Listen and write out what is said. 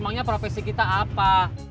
emangnya profesi kita apa